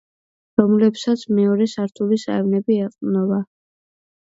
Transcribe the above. რომლებსაც მეორე სართულის აივნები ეყრდნობა.